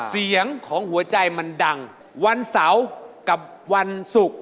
เสียงของหัวใจมันดังวันเสาร์กับวันศุกร์